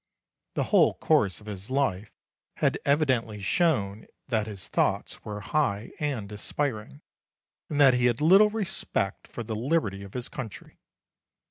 The whole course of his life had evidently shown that his thoughts were high and aspiring, and that he had little respect for the liberty of his country.